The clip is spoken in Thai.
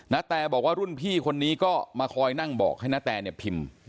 แตบอกว่ารุ่นพี่คนนี้ก็มาคอยนั่งบอกให้นาแตเนี่ยพิมพ์